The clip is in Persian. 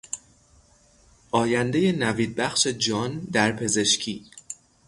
آیندهی نویدبخش جان در پزشکی